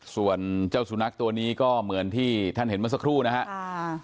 ส่วนเจ้าสุนัขตัวนี้ก็เหมือนที่ท่านเห็นเมื่อสักครู่นะครับ